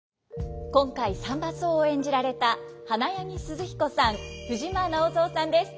今回三番叟を演じられた花柳寿々彦さん藤間直三さんです。